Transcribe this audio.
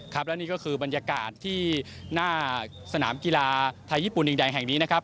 ครับและนี่ก็คือบรรยากาศที่หน้าสนามกีฬาไทยญี่ปุ่นดินแดงแห่งนี้นะครับ